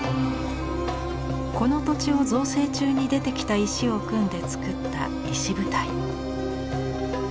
この土地を造成中に出てきた石を組んで作った石舞台。